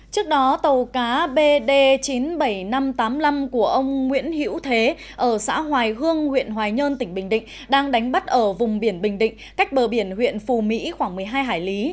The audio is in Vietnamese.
trước đó tàu cá bd chín mươi bảy nghìn năm trăm tám mươi năm của ông nguyễn hiễu thế ở xã hoài hương huyện hoài nhơn tỉnh bình định đang đánh bắt ở vùng biển bình định cách bờ biển huyện phù mỹ khoảng một mươi hai hải lý